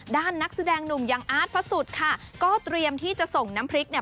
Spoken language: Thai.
นักแสดงหนุ่มอย่างอาร์ตพระสุทธิ์ค่ะก็เตรียมที่จะส่งน้ำพริกเนี่ย